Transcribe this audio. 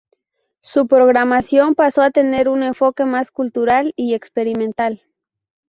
Su programación pasó a tener un enfoque más cultural y experimental.